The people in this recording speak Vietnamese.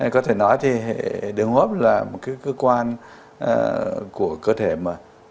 có thể nói thì hệ đường hấp là một cái cơ quan của cơ thể mà